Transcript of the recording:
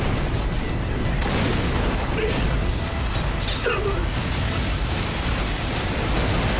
来た。